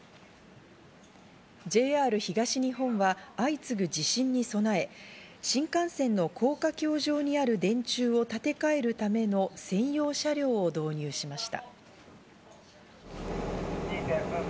ＪＲ東日本は相次ぐ地震に備え、新幹線の高架橋上にある電柱を建て替えるための専用車両を導入しました。